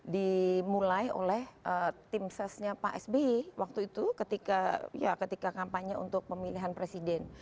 dimulai oleh tim sesnya pak sbi waktu itu ketika kampanye untuk pemilihan presiden